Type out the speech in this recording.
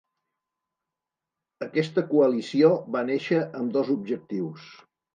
Aquesta coalició va néixer amb dos objectius.